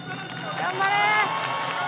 頑張れ！